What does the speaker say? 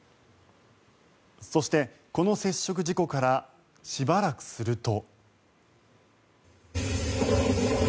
そして、この接触事故からしばらくすると。